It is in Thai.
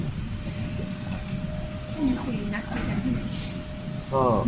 ไม่ต่อไป